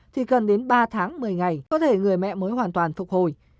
thì cần đến ba tháng một mươi ngày có thể người mẹ mới hoàn toàn phục hồi